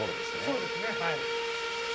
そうですねはい。